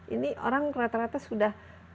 ini orang rata rata sudah